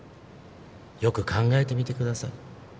よく考えてみてください。